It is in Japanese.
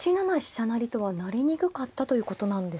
成とは成りにくかったということなんですか。